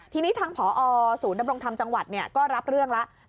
ทีนี้ทางผอศูนย์ดำรงธรรมจังหวัดก็รับเรื่องแล้ว